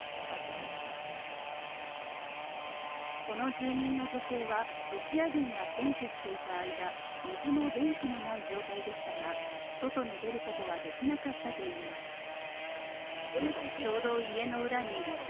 この住民の女性は、ロシア軍が占拠していた間水も電気もない状態でしたが外に出ることはできなかったといいます。